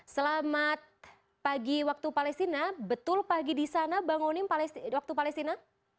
selamat pagi waktu palestina betul pagi di sana bang onim waktu palestina